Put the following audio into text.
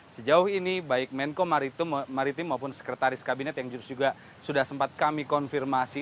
sejauh ini baik menko maritim maupun sekretaris kabinet yang juga sudah sempat kami konfirmasi